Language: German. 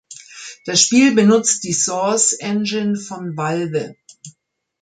Das Spiel benutzt die Source Engine von Valve.